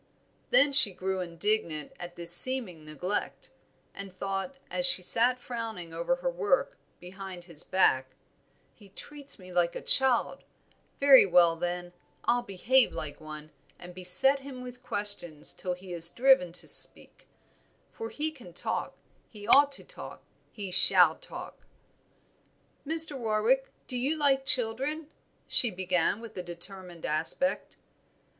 Then she grew indignant at this seeming neglect, and thought, as she sat frowning over her work, behind his back "He treats me like a child, very well, then, I'll behave like one, and beset him with questions till he is driven to speak; for he can talk, he ought to talk, he shall talk." "Mr. Warwick, do you like children?" she began, with a determined aspect.